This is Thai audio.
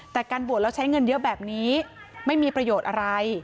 แต่การบวชแล้วใช้เงินเยอะแบบนี้ไม่มีประโยชน์อะไร